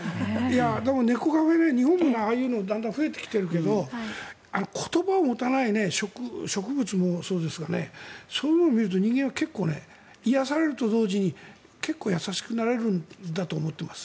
猫カフェ、日本でもああいうのだんだん増えてきてるけど言葉を持たない植物もそうですがそういうのを見ると人間は結構癒やされると同時に結構、優しくなれるんだと思います。